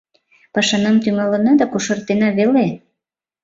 Пашанам тӱҥалына да кошартена веле.